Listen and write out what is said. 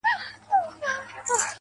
• ويل يې غواړم ځوانيمرگ سي.